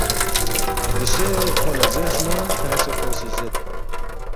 دوسے کھو لہ زیرس نہ کھیانگ سہ کھو سی زید